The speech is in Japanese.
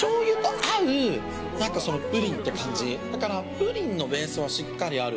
プリンのベースはしっかりある。